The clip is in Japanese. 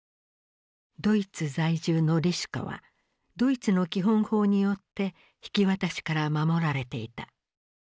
ドイツ在住のリシュカはドイツの基本法によって引き渡しから守られていた。